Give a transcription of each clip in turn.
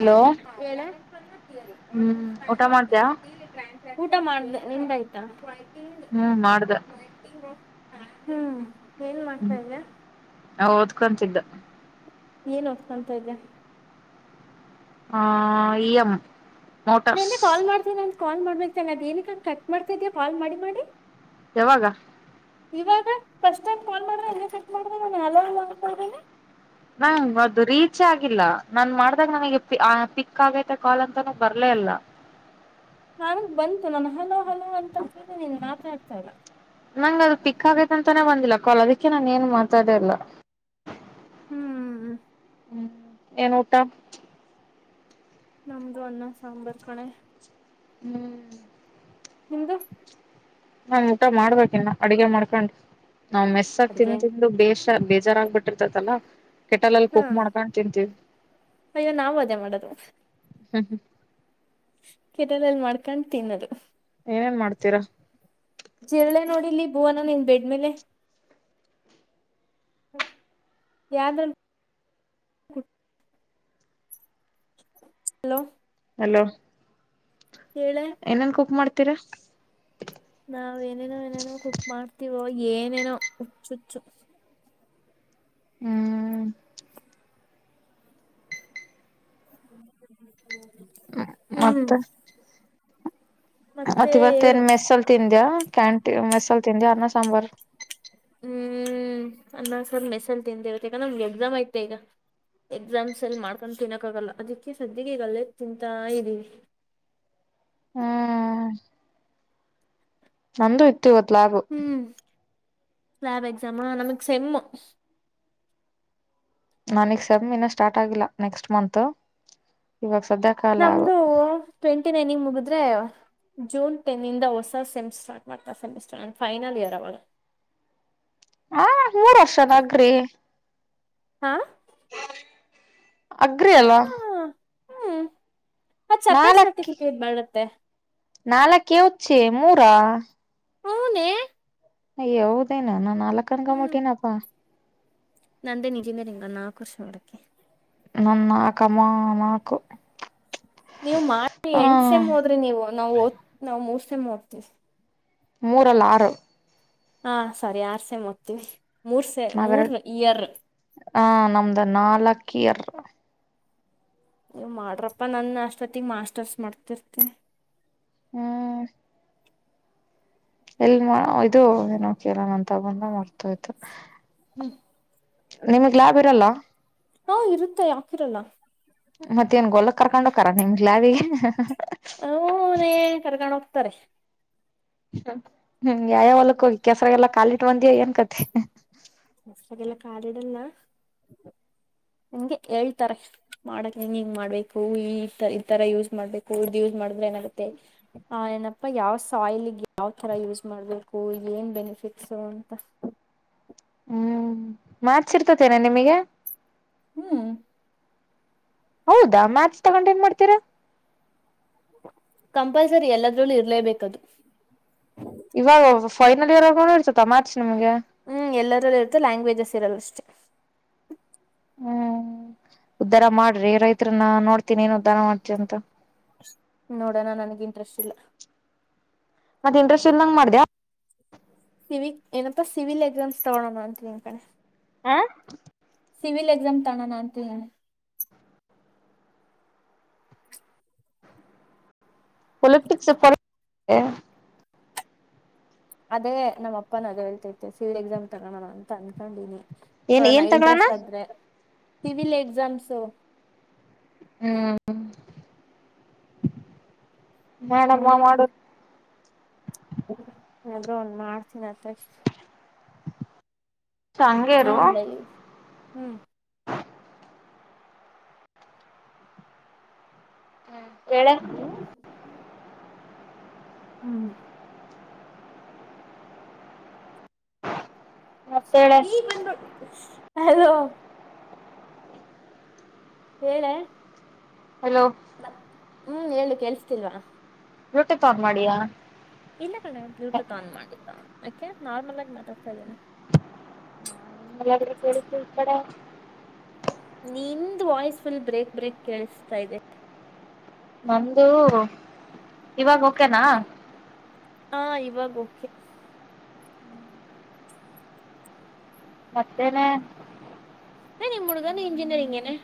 Hello ಹಾ ಹೇಳೆ ಹ್ಮ್ ಊಟ ಮಾಡ್ದ್ಯಾ [unintelligible] [unintelligible] ಊಟ ಮಾಡ್ದ ನಿಂದಾಯ್ತಾ. ಹು ಮಾಡ್ದೆ. [unintelligible] ಹ್ ಏನ್ ಹ್ಮ್ ಮಾಡ್ತಾ ಇದ್ಯಾ? ಓದ್ಕೊಂತಿದ್ದ ಏನ್ ಹ್ತಂತ ಇದೆ ಹಾ.. ಇಯಮ್ ನನ್ನೆ ಕಾಲ್ ಮಾಡ್ತೀನಿ ಅಂದ ಕಾಲ್ ಮಾಡ್ಬೇಕತೆನೆ ಅದ ಏನಕ್ಕೆಂಗ ಕಟ್ ಮಾಡ್ತಿದೀ ಕಾಲ್ ಮಾಡಿ ಮಾಡಿ ಯಾವಾಗ- ಇವಾಗ ಫಸ್ಟ್ ಟೈಮ್ ಫೋನ್ ಮಾಡ್ರ ಹಂಗೆ ಕಟ್ಟ ಮಾಡದ ನಾ ಹಲೋ ಹಲೋ ಅಂತಿದಿನಿ ನಂಗ ಅದು ರೀಚ್ ಆಗಿಲ್ಲ ನನ್ ಮಾಡ್ದಾಗ ನನಗೆ ಪಿಕ್ ಆಗೈತೆ ಕಾಲ್ ಅಂತಾನೂ ಬರ್ಲ ಅಲ್ಲ ನನ್ಗ್ ಬಂತು ನಾನು ಹಲೋ ಹಲೋ ಅಂತ ಹೇಳ ನೀನ್ ಮಾತಾಡ್ತಾ ಇಲ್ಲ ನಂಗ ಅದು ಪಿಕ್ ಆಗೈತ ಅಂತಾನೇ ಬಂದಿಲ್ಲ ಕೊಲ್ ಅದಕ್ಕೆ ನಾನ ಏನ್ ಮಾತಾಡಿಲ್ಲ ಹ್ಮ್ ಹ್ಮ್ ಏನ ಊಟಾ ನಮ್ದು ಅನ್ನ ಸಾಂಬಾರ್ ಕಣೆ ಹು ನಿಮ್ದು ನಾನ್ ಊಟ ಮಾಡ್ಬೇಕ ಇನ್ನ ಅಡಗೆ ಮಾಡ್ಕೊಂಡು ನಾವ್ ಮೆಸ್ಸಕ್ ಅಡ್ಗೆ ತಿಂತಿದ ಅದು ಬೇಷ ಬೇಜಾರಾಗ ಬಿಿಟ್ಟಿರ್ತತಲ್ಲಾ ಕೆಟಲಲ್ಲಿ ಹಾ ಕುಕ್ ಮಾಡ್ಕೊಂಡ್ ತಿಂತೀವಿ ಅಯ್ಯೋ ನಾವ್ ಅದೇ ಮಾಡದು ಹ ಹ ಕೆಟಲಲ್ಲಿ ಮಾಡ್ಕೊಂಡು ತಿನ್ನೋದು ಏನೇನ್ ಮಾಡ್ತೀರಾ ಜಿರಳೆ ನೋಡಿಲ್ಲಿ ಬೂವನ ನಿನ್ ಬೆಡ್್ಮೇಲೆ ಯ್ದ್ರ ಹಲೋ ಹಲೋ ಳೆ ಏನೇನ್ ಕುಕ್ ಮಾಡ್ತೀರಾ ನಾವ್ ಏನೇನೋ ಏನೇನೋ ಕುಕ್ ಮಾಡ್ತೀವೋ ಏನೇನೋ ಹುಚ್ಚುಚ್ಚು ಹ್ಮ್ ಮತ್ತ ಹ್ಮ್ ಮತ್ತೆ ಮತ್ ಇವತ್ತೇಏನ್ ಹೇಳು ಮೆಸ್ಸಲ್ ತಿಂದ್ಯಾಾ ಕ್ಯಾಂಟಿನ್ ಮೆಸ್ಸಲ್ ತಿಿಂದ್ಯಾ ಅರ್ನ್ನ ಸಾಂಬಾರ್ ಹ್ಮ್ ಅನ್ನ್ ಸಲ್ ಮೆಸಲ್ ತಿಂದೆ ಇವತ್ತಾ ನಮ್ಗೆ ಎಕ್ಸಾಮ್ ಐತೆ ಈಗ ಎಕ್ಸಾಮ್ಸ್ ಎಲ್ಲಿ ಮಾಡ್ಕೊಂಡು ತಿನ್ನಕ್ಕಾಗಲ್ಲ ಅದಕ್ಕೆ ಸದ್ಯಿಗೆ ಈಗ ಅಲ್ಲೇ ತಿಂತಾ ಇದ್ದೀರಿ ಹ್ಮ್ ನಂದುೂ ಇತ್ತು ಇವತ್ ಲಾಗು ಹ್ಮ್ ಸ್ಲಾಬ್ ಎಕ್ಸಾಮ ನಮಗೆ ಸೆಮ್ಮ ನನಗ್ ಸೆಮ್ ಇಿನ ಸ್ಟಾರ್ಟ್ ಆಗಿಲ್ಲ ನೆಕ್ಸ್ಟ್ ಮಂತ್ ಇವಾಗ ಸದ್ಯ ನಮ್ದು ಟ್ವೆಂಟಿ ನೈನಂಗ ಮುಗಿದ್ರೆ ಜೂನ್ ಟೆನ್ನಂದ ಹೊಸ ಸೆಮಿಸ್ಟರ್ ಸ್ಟಾರ್ಟ್ತಾರೆ ಸೆಮಿಸ್ಟರ್ ನನ್ನ ಫೈನಲ್ ಇಯರ್ ಅವವಾಗ ಹ ಮೂರ್ ವರ್ಷದಾಗ್ರಿ ಹಾ ಅಗ್ರಿ ಅಲ್ವಾ ಆ ಸೆಪರೇಟೆಡ್ ನಾಲ್ಕಿ ಸರ್ಟಿಫಿಕೇಟ್ ಮಾಡತ್ತೆ ನಾಲ್ಕ ಹಚ್ಚಿ ಮೂರ ಹೂನ ಯಾವದೇನು ನಾನ್ ನಾಲ್ಕ ಕನ್ಕ ಮುಟ್ಟನಪ್ಪಾ ನಂದೇ ನಿಜ ಮೇ ನಾಕು ವರ್ಷ ಮಾಡಡಕಕ್ಕೆ ನ ನಾಕಮ್ಮ ನಾಕ [inaudible] ನೀವು್ ಮಾಡಿ ಎಂಟು ಸಮ್ ಹೋದ್ರಿ ನೀವು ನಾವುಓದ ನಾವವು ಮೂರ್ ಸೆಮ್ ಓದ್ತೀ. ಮೂರ ಅಲ್ಲ ಆರು ಹಾ ಸರಿ ಆರ್ ಸೆ ಮಾಡತೀವಿ ಮೂರ್ ಸೆ ಮೂರ್ ನಾವೆರಡು ಇಯರ್ ಹ ನಮ್ದ ನಾಲ್ಕಿಯರ್ ನೀ ಮಾಡ್ರಪ್ಪಾ ನನ್ ಅಷ್ಟೊತ್ತಿಗೆ ಮಾಸ್ಟರ್ಸ್ ಮಾಡ್ತಿರ್ತೆ ಹ್ಮ್ ಎಲ್ ಇದು ಏನೋ ಕಲ ನಂತ ಬಂದ ಮರ್ತೋಯ್ತು ಹ್ಮ್ ನಿಮಗ್ ಲಾಬ್ ಇರಲ್ಲ ಹಾ ಇರುತ್ತೆ ಯಾಕಿರಲ್ಲ ಮತ್ತ ನ್ ಗೊಲ್ಲಕ್ ಕರ್ಕೊಂಡ ಹಕರ ನಿಮ್ ಲಾಬಿಗ್ಯ್ ಹನೇ ಕರ್ಕೊಂಡು ಹೋಗ್ತಾರೆ ಹ್ಮ್ ಯಾಯಾವಲಕ್ಕ ಹೋಗಿ ಕೆಸರ ಎಲ್ಲ ಕಾಲಿಟ್ಟ ಬಂದ ಏನ್ ಕತಿ ಕೆಸರಾ ಗೆಲ್ಲ ಕಾಲಿಡಲ್ಲ ನಂಗೆ ಹೇಳ್ತಾರೆ ಮಾಡಕ್ ನೀಂಗ ಹೆಗ್ ಮಾಡ್ಬೇಕು ಈ ಇ ತರ ಯೂಸ್ ಮಾಡ್ಬೇಕು ಇದ್ ಯೂಸ್ ಮಾಡಿದ್ರೆ ಏನಾಗುತ್ತೆ. ಹಾ ಏನಪ್ಪಾ ಯಾವ ಸ ಆಯಿಲಿಗೆ ಯಾವ್ ತರ ಯೂಸ್ ಮಾಡ್ಬೇಕು ಏನ್ ಬೆನಿಫಿಟ್ಸು ಅಂತ ಹ್ಮ್ ಮ್ಯಾಚ್ ಇರ್ತೈತೆ ನಿಮಗೆ ಹ್ಮ್ ಹೌದಾ ಮಾರ್ಚ್ ತಗೊಂಡು ಎನ್ ಮಾಡ್ತೀರಾ ಕಂಪಲ್ಸರಿ ಎಲ್ಲದ್ರಲ್ಲೂ ಇರ್ಲೇಬೇಕದು ಇವಾಗ ಫೈನಲ್ ಇಯರ್ ಒ ಇರ್ತತ ಮಾರ್ಚ್ ನಿಮ್ಗೆ ಹ್ಮ್ ಎಲ್ಲರಲ್ಲಿ ಇರ್ತೆ ಇರಲ್ಲ ಅಷ್ಟೇ ಹ್ಮ್ ಉದ್ಧಾರ ಮಾಡ್ರಿ ರೈತರನ್ನ ನೋಡ್ತೀನಿ ಏನ್ ಉದ್ಧಾರ ಮಾಡ್ತ ಅಂತ. ನೋಡೋಣ ನನ್ಗ್ ಇಂಟ್ರೆಸ್ಟ್ ಇಲ್ಲ ಮತ್ತೆ ಇಟ್ರೆಸ್ಟ್ ಇಲ್ಲದಂಗ ಮಾಡ್ಯಾ ಸಿಿವಿಕ್ ಏನಪ್ಪಾ ಸಿವಿಲ್ ಎಕ್ಸಾಮ್ಸ್ ತಗೋಣ ಅಂತ ನಿನ್ ಕೇ ಹಾ ಸಿವಿಲ್ ಎಕ್ಸಾಮ್ ತಣೋಣ ಅಂತ ಹೇಳಿ ಪೊಲಿಪಟಿಸ್ಫೋ ಹ ಅದೇ ನಮ್ಮ ಅಪ್ಪ ನ ಅದೇ ಹೇಳ್ತೈತೆ ಸಿವಿಲ್ ಎಕ್ಸಾಮ್ ತಗೋಣ ಅಂತ ಅನ್ಕೊಂಡಿನಿ ಏನ್ ನೋಡೋಣ ಏನ್ ತಗಳಣ ಇಂಟ್ರೆಸ್ಟ್ ಆದ್ರೆ ಸಿವಿಲ್ ಎಕ್ಸಾಮ್ಸು ಹ್ಮ್ ಮಾಡಮ್ಮ ಮಾಡ ಅದ ಒನ್ ಮಾಡ್ತೀನ ಅತ್ತ ತಂಗೇರು ನಂದ ಲ ಹ್ಮ್ ಹೇಳ ಹ್ಮ್ ಮತ್ತೇಳೆ ಈ ಬಂದ್ಬ ಹಲೋ ಹೇಳೆ ಹಲೋ ಮತ್ತ ಹ್ಮ್ ಹೇಳು ಕೇಸ್ತಿಲ್ವಾ ಬ್ಲೂಟೂತ್ ಆನ್ ಮಾಡಿಯಾ ಇಲ್ಲ ಕಣ್ಣ ಬ್ಲೂಟೂತ್ ಆನ್ ಮಾಡಿಲ್ಲ ಯಾಕೆ ನಾರ್ಮಲ್ ಆಗಿ ಮಾತಾಡ್ತಾ ಇದೀನಿ ನ ಕುಡತಿ ಇಪಡೆ ನಿಂದ ವಾಯ್ಸ್ ಫುಲ್ ಬ್ರೇಕ್ ಬ್ರೇಕ್ ಕೇಳಿಸ್ತಾ ಇದೆ ನಂದು ಇವಾಗ ಓಕೆನಾ ಹಾ ಇವಾಗ ಓಕೆ ಮತ್ತೇನೆ ನ ನಿ ಮುಡ್ಗಾನ ಇಂಜಿನಿಯರಿಂಗ್ ನೆ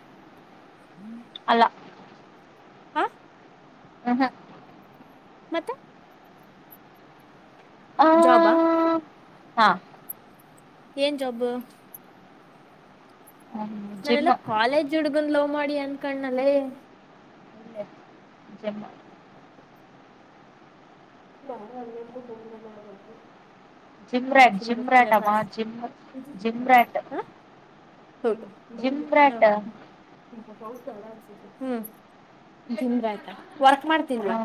ಅಲ್ಲ ಹಾ ಹ ಹಾ ಮತ್ತೆ ಆ ಜಾಬಾ ಹಾ ಏನ್ ಜಬ್ಬು ಜಿಮ್ ನಾನೆಲ್ಲಾ ಕಾಲೇಜ್ ಹುಡ್ಗನ್ ಲೋ ಮಾಡಿ ಅಂದ ಕಣಲ್ಲೇ ಜಮ್ಮ ನ ಅಲ್ಲ [unintelligible] ಜಿಮ್ ರಾಟ್ ಜಿಮ್ ರಾಟ್ಮ್ಮ ಜಿಮ್ ಜಿಮ್ ರಾಟ್ ಹಾ ಹೌದು ಬಿ ಹ [unintelligible] ಹ್ಮ್ ಜಿಮ್ರ ಆಯ್ತಾ ವರ್ಕ್ ಮಾಡ್ತೀನ್ವಾ ಹ್ಮ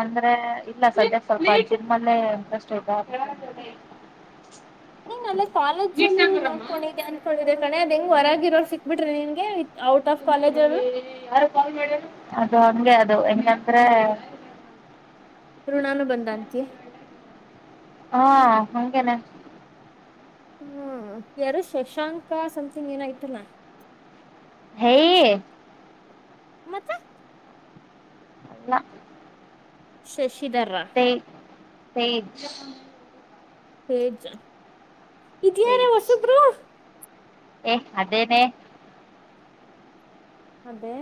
ಅಂದ್ರೆ ಇಲ್ಲ ಸದ್ಯಕ್ ಸ್ವಲ್ಪ ಸಿನಮಲ್ಲೇ ಇಂಟ್ರೆಸ್ಟ್ ಆಯತಾ ನೀನ್ ಅಲ್ಲೇ ಕಾಲೇಜ ಅಲ್ಲಿ ನೋಡ್ಕೊಂಡಿದ್ದಾನ ಕಣೆ ಅದ ಹೆಂಗ ಹೊರಗ ಇರೋ ಸಿಕ್ಬಿಟ್ರಿ ನಿನ್ಗೆತ್ ಔಟ್ ಆಫ್ ಕಾಲೇಜ್ ಅವ್ರು ಅದು ಹಂಗೆ ಅದು ಹೆಂಗಂದ್ರೆ ಋಣಾನು ಬಂದಂತೆ ಹಾ ಹಂಗೇನೆ ಹ್ಮ ಯಾರ ಶಶಾಂಕ ಸಮ್ಥಂಗ್ ಏನಾಯತಲ್ಲ ಹೇ ಮತ್ತೆ ಅಲ್ಲ ಶಶಿಧರ್ರ ಎಚ್ ಜ ಇ ಏ ಅದೇನೇ ಅದೇ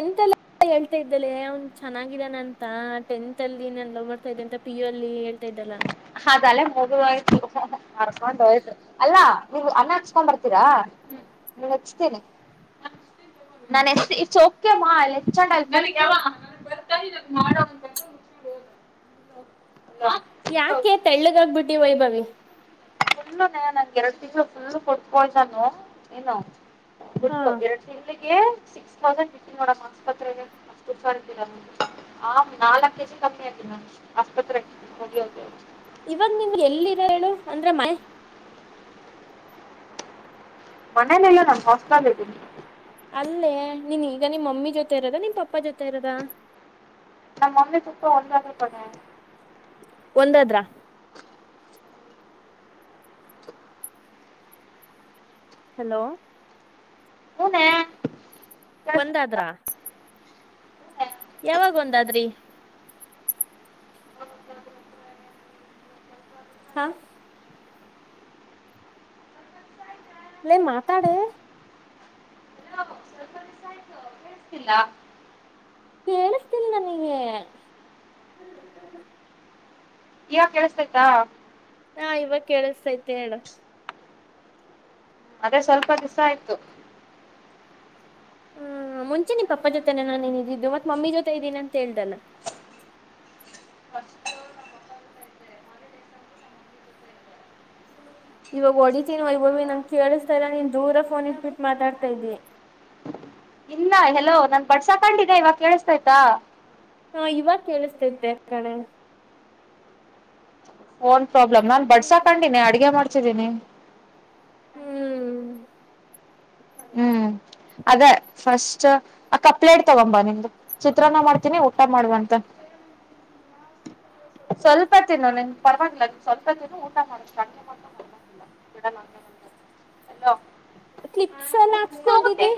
ಎಂತ ಲಕ್ಕು ಹೇಳ್ತ ಇದ್ದಲ್ಲೆ ಅವನ್ ಚೆನ್ನಾಗಿದಾನ ಅಂತ ಟೆಂತ್ ಅಲ್ಲಿ ನಾನು ಲೋ ಮಾಡ್ತಾ ಇದ್ದೆ ಅಂತ ಪಿ ಯು ಅಲ್ಲಿ ಹೇಳ್ತಾ ಇದ್ದಲ್ಲ ಹದ ಅಲ್ಲ ಮುಗಯ್ರ್ಕೊಂಡ್ ಹೋಯ್ತು ಅಲ್ಲಾ ನೀವು ಅನ್ನ ಹಚ್ಕೊಂಡ್ ಬರ್ತ ನೀ ಹಚ್ತೇನೆ ನಾನ ಎಸ್ ಇಟ್ಸ್ ಓಕೆ ಮಾ ಅ [unintelligible] [inaudible] ಯಾಕೆ ತೆಳ್ಳಗಾಗಬಿಟ್ಟಿ ವೈಭವಿ ಇನ್ನು ನಂಗೆ ಎರಡು ದಿವ್ಸ ಫುಲ್ ಕೊಟ್ಟಬೋಯ್ದನು ಇನ್ನು ಹಾ ಫುಲ್ಲು ಎರಡ್ ತಿಂಗ್ಳಿಗೆ ಸಿಕ್ಸ್ ತೌಸಂಡ್ ಇಟ್ಟನ ನೋಡಮ್ ಆಸ್ಪತ್ರೆಗೆ ಅ ಕುಡ್ಸತೀರ ಆ ನಾಲ್ಕ ಕೆ ಜಿ ಕಮ್ಮಿ ಆಯತ ಮ್ ಆಸ್ಪತ್ರೆ ಹದ ಹೌದುದು ಇವಾಗ ನಿನ್ ಎಲ್ಲಿರ ಹೇಳು ಅಂದ್ರೆ ಮ ಮನೇನಲ್ಲ ನಮ್ ಹಾಸ್ಟೆಲ್ ಇರ್ತೀನಿ ಅಲ್ಲೇ ನೀನ್ ಈಗ ನಿಮ್ಮ್ ಮಮ್ಮಿ ಜೊತೆ ಇರೋದ ನಿಮ್ ಪಪ್ಪ ಜೊತೆ ಇರೋದ ನಮ್ಮ ಮಮ್ಮೆ ಪಾಪಾ ಒಂದೇ ಕಡೆ ಒಂದಾದ್ರ ಹಲೋ ಹನ ಒಂದಾದ್ರಾ ಯಾವಾಗ ಒಂದಾದ್ರಿ ಹಾ ಲ್ಲೇ ಮಾತಾಡ ಎ ಇಲ್ಲ ಕೇಳಿಸ್ತೀನಿ ನನಗೆ ಇವ ಕೆೇಳಸತೈತಾ ಹಾ ಇವಾಗ ಕೇಳಿಸಸ್ತೈತೆ ಹೇಳ ಅದೇ ಸ್ವಲ್ಪ ದಿವಸ ಆಯ್ತು ಹ್ಮ ಮುಂಚೆ ನಿನ್ ಪಪ್ಪಾ ಜೊತೆನೆ ನಾನುೇನ ಇದಿದ್ದು ಮತ್ ಮಮ್ಮಿ ಜೊತೆ ಇದೀನಿ ಅಂತ ಹೇಳ್ದಲ್ಲಾ ಇವಾಗ ಹೊಡಿತೀನಿ ಯವೋವಿ ನಂ ಕೇಳಿಸ್ತಾರಾ ನೀನ್ ದೂರ ಫೋನ್ ಇಟ್ಬಟ್ಟು ಮಾತಾಡ್ತಾ ಇದ್ದಿ ಇನ್ನ ಹೆಲೋ ನಾನ್ ಬಡ್ಸಾಕಂಡಿದೆ ಇವಾಗ ಕೇಳಿಸತಾಯ್ತಾ ಹಾ ಇವಾಗ ಕೇಳಿಸ್ತೇತೆ ಕಣ ಪೋನ್ ಪ್ರಾಬ್ಲೆಮ್ ಆ ಓನ್ ಪ್ರಾಬ್ಲಮ್ ನಾನ್ ಬಡ್ಸಾ ಕಂಡೀಿನಿ ಅಡ್ಗೆ ಮಾಡ್ತಿದ್ದೀನಿ ಹ್ಮ್ ಹ್ಮ್ ಅದೇ ಫಸ್ಟ್ ಆ ಕಪ್ಲೇಟ್ ತಗೊಂಬ ನಿಮ್ದು ಚಿತ್ರಾನ್ನ ಮಾಡ್ತೀನಿ ಊಟ ಮಾಡ್ಬ ಅಂತ ಸ್ವಲ್ಪ ತಿಿನ ನಿನ್ ಪರವಾಗಿಲ್ಲ ಅ ಸ್ವಲ್ಪ ದಿನ ಊಟ ಮಾಡ ಅಂೆ ಇ ನ ಅಲ್ಲೋ ಕ್ಲಿಪ್ಸ್ ಎಲ್ಲ ಹಾಕ್ಸ್ಕೊಂಡಿದಿ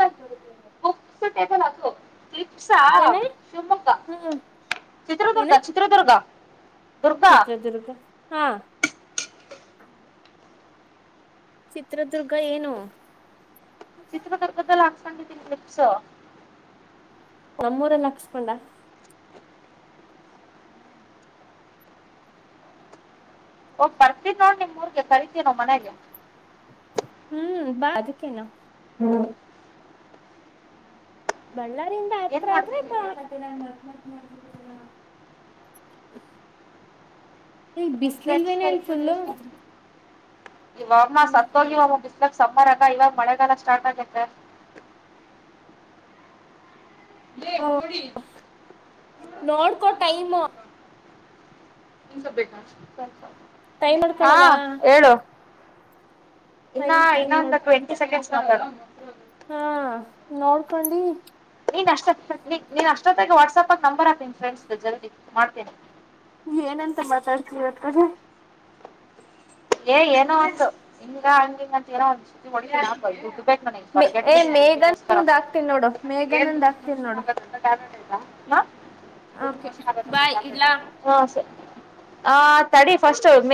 ಬುಕ್ಸ ಟೇಬಲ್ ಹಾಕೋ ತ್ರಿಪ್ಸಾ ಏನ ಶಿವಮೊಗ್ಗ ಹ್ಮ್ ಚಿತ್ರದುರ್ಗ ಏನ ಚಿತ್ರದುರ್ಗ ದುರ್ಗ ಚಿತ್ರದುರ್ಗ ಹಾ ಚಿತ್ರದುರ್ಗ ಏನು ಚಿತ್ರ ಕರ್ಕದೆಲ್ಲ ಹಾಕ್ಸ್ಕೊಂಡಿದನಿ ಲಿಪ್ಸ ನಮ್ಮೂರಲ್ಲ ಹಾಕ್ಸ್ಕೊಂಡ ಹೋಗ್ ಬರ್ತಿದ್ ನೋಡ್ ನಿಮ್ ಊರ್ಗೆ ಕರಿೀತೀನೋ ಮನೆಗೆ ಹ್ಮ್ ಬಾ ಆ ದು ಕೆನ ಬಳ್ಳಾರಿಿಂದ ಏನ್ ಮಾಡ್ತಿದೀಿ [unintelligible] ಈ ಬಿಸ್ಲಿಲ್ವೇನ ಅಲ್ ಫುಲ್ು ಇವಮ್ಮ ಸತ್ತ ಹೋಗಿ ಒಮ್ಮ ಬಿಸ್ಲಕ್ ಸಮ್ಮರ್ ಆಗ ಇವಾಗ ಮಳೆಗಾಲ ಸ್ಟಾರ್ಟ್ ಆಗೇತ್ತ ಬೆೇಗುಡಿ ನೋಡ್ಕೊ ಟೈಮ್ ನೀನ್ಸ ಬೇಕಾ ಟೈಮ್ ಹಾ ನೋಡ್ಕೊಳವಾ ಹೇಳು ಇನ್ನ ಟೈಮ್ ಟೈಮ್ ಇನ್ನೊಂದು ನೋಡ್ ಟ್ವೆಂಟಿ ಸೆಕೆಂಡ್ಸ್ ಒಂದ ಹಾ ನೋಡ್ಕೊಂಡಿ ನೀನ್ ಅಷ್ಟೊನ್ ನೀನ್ ಅಷ್ಟೊತ್ತಾಗಿ ವಾಟ್ಸಆಪ್ಗ ನಂಬರ್ ಹಾತೀನಿ ಫ್ರೆಂಡ್ಸ್ ಜಲ್ದಿ ಮಾಡ್ತೀನಿ ಏನಂತ ಮಾತಾಡ್ತಿವಿ ಹತ್ರಗೆ ಏ ಏನೋ ಅಂತು ಹಿಂಗ ಹಂಗಿಂಗ ಅಂತ ಏನೋ ಏ ಹೊರಗಿಗೋಸ್ಕರ ಮೇಘನಂದ್ ಹಾಕ್ತೀನಿ ನೋಡು ಏಷ ಮೇಘನಂದ್ ಹಾಕ್ತೀನಿ ನೋಡು ಬಟ್ ಯ ದ ಓಕೆ ಮಸ್ ಬಾಯ್ ಹಾಗ್ಯಾಬಲೆಟ್ ಯ ಇಡ್ಲಾ [unintelligible] ಹಾ ಸ ಆ ತಡಿ ಫಸ್ಟ್